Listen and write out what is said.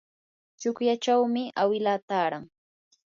tsukllachawmi awilaa taaran.